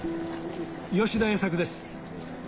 吉田栄作です